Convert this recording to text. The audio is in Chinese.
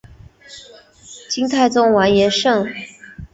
金太宗完颜晟。